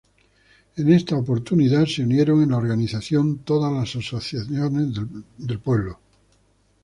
En esa oportunidad se unieron en la organización, todas las asociaciones del pueblo.